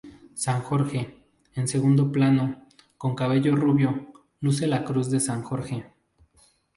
San Jorge, en segundo plano, con cabello rubio, luce la Cruz de San Jorge.